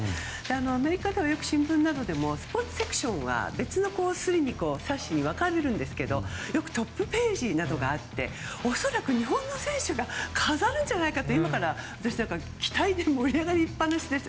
アメリカではよく新聞などでもスポーツセクションは別の冊子に分かれるんですけどよくトップページなどがあって恐らく日本の選手が飾るんじゃないかと今から期待で盛り上がりっぱなしです。